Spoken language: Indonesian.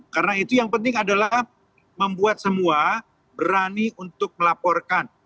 karena itu yang penting adalah membuat semua berani untuk melaporkan